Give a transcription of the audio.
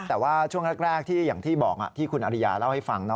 แต่ว่าช่วงแรกที่อย่างที่บอกที่คุณอริยาเล่าให้ฟัง